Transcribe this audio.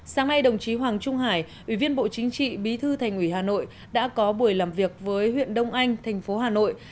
sáng nay đồng chí hoàng trung hải ủy viên bộ chính trị bí thư thành ủy hà nội đã có buổi làm việc với huyện đông anh thành phố hà nội